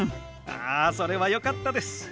あそれはよかったです。